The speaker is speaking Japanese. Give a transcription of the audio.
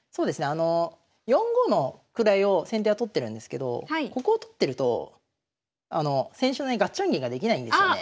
あの４五の位を先手は取ってるんですけどここを取ってると先週のねガッチャン銀ができないんですよね。